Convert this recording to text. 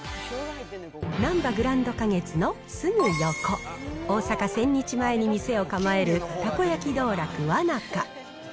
なんばグランド花月のすぐ横、大阪・千日前に店を構えるたこ焼道楽わなか。